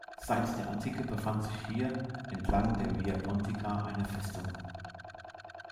Seit der Antike befand sich hier, entlang der Via Pontica eine Festung.